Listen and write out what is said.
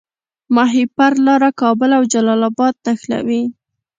د ماهیپر لاره کابل او جلال اباد نښلوي